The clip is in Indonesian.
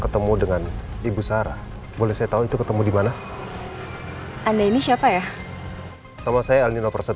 tunggu banget gue berurusan lagi sama cowok itu